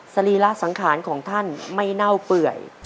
สรีระสังขารของท่านไม่เน่าเปื่อย